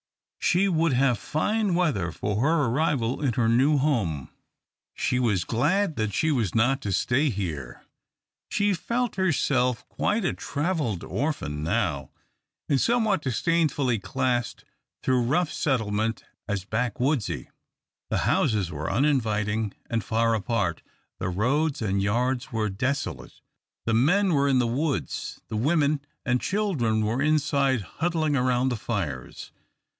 She would have fine weather for her arrival in her new home. She was glad that she was not to stay here. She felt herself quite a travelled orphan now, and somewhat disdainfully classed this rough settlement as "back woodsy." The houses were uninviting and far apart, the roads and yards were desolate. The men were in the woods, the women and children were inside huddling around the fires.